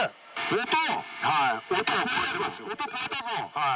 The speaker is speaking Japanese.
はい。